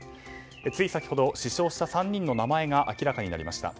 つい先ほど死傷した３人の名前が明らかになりました。